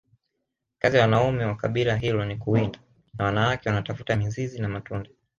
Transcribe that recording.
kazi ya Wanaume wa kabila hilo ni kuwinda na wanawake wanatafuta mizizi na matunda